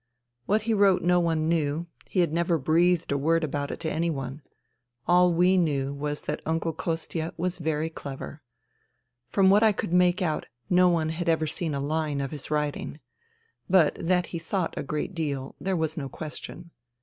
What he wrote no one knew ; he had never breathed a word about it to anyone. All we knew was that Uncle Kostia was very clever. From what I could make out no one had ever seen a line of his writing. But that he thought a great deal there was no question.